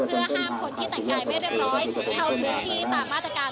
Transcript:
เพื่อห้ามคนที่แต่งกายไม่เรียบร้อยเข้าพื้นที่ตามมาตรการ